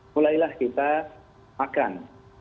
mulailah kita makan